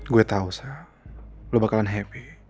gue tau sa lo bakalan happy